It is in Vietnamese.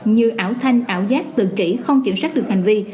như ảo thanh ảo giác tự kỷ không kiểm soát được hành vi